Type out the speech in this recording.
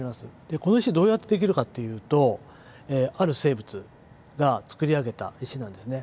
この石どうやってできるかっていうとある生物が作り上げた石なんですね。